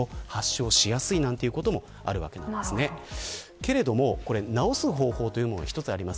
けれども、治す方法というものが一つあります。